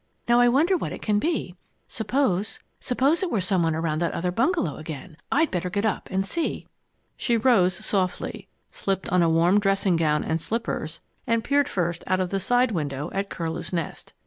"Now I wonder what it can be. Suppose suppose it were some one around that other bungalow again! I'd better get up and see." She rose softly, slipped on a warm dressing gown and slippers, and peered first out of the side window at Curlew's Nest.